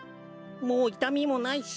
もういたみもないし。